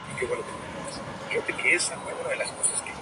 Bundesliga con el Eintracht Frankfurt, Bayer Leverkusen y VfL Bochum.